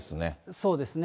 そうですね。